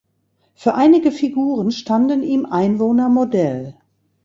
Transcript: Für einige Figuren standen ihm Einwohner Modell.